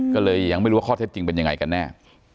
ก็เลยยังไม่รู้ว่าข้อเท็จจริงเป็นยังไงกันแน่